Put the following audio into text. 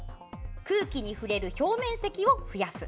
空気に触れる表面積を増やす。